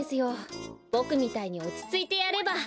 ボクみたいにおちついてやれば。